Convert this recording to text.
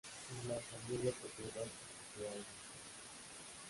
La familia posee vastas propiedades en Siena.